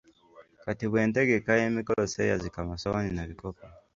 Kati bwe ntegeka emikolo sseeyazika masowaani na bikopo.